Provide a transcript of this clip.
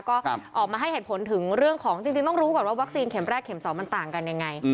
ก็ออกมาให้เหตุผลถึงเรื่องของจริงต้องรู้ก่อนว่าวัคซีนเข็มแรกเข็ม๒มันต่างกันยังไง